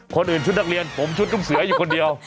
คนอื่นชุดนักเรียนผมชุดลูกเสืออยู่คนเดียว